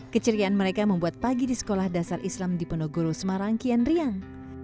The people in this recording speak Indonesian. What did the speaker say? keceriaan mereka membuat pagi di sekolah dasar islam di penogoro semarang kian riang